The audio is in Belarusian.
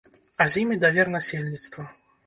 А з ім і давер насельніцтва.